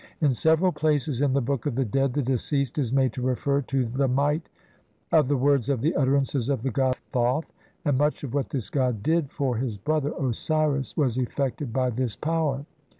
In several places in the Book of the Dead the deceased is made to refer to the "might of the words of the utterances "of the god Thoth", and much of what this god did for "his brother" Osiris was effected by this power.